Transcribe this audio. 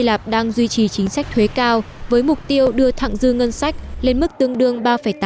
lạp đang duy trì chính sách thuế cao với mục tiêu đưa thẳng dư ngân sách lên mức tương đương ba tám